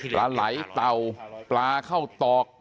ปลาไหลเต่าปลาเข้าตอก